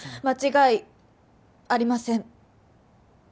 間違いありません